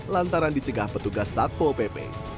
lantaran dicegah petugas satpol pp